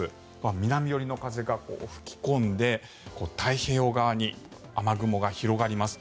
南寄りの風が吹き込んで太平洋側に雨雲が広がります。